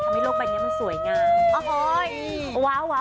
ทำให้โลกใบนี้มันสวยงาม